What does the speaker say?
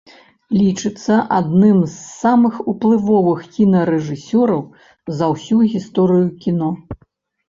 Лічыцца адным з самых уплывовых кінарэжысёраў за ўсю гісторыю кіно.